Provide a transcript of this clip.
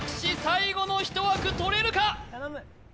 最後の１枠とれるか？